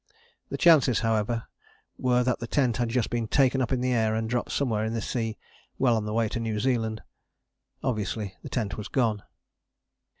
The chances, however, were that the tent had just been taken up into the air and dropped somewhere in this sea well on the way to New Zealand. Obviously the tent was gone.